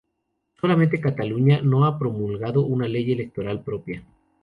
Solamente Cataluña no ha promulgado una ley electoral propia.